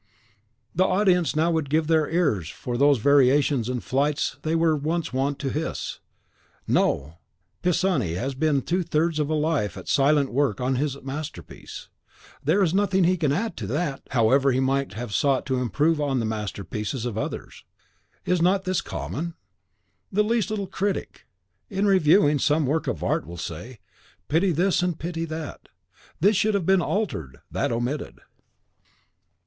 The audience now would give their ears for those variations and flights they were once wont to hiss. No! Pisani has been two thirds of a life at silent work on his masterpiece: there is nothing he can add to THAT, however he might have sought to improve on the masterpieces of others. Is not this common? The least little critic, in reviewing some work of art, will say, "pity this, and pity that;" "this should have been altered, that omitted."